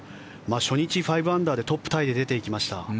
初日５アンダーでトップタイで出ていきました。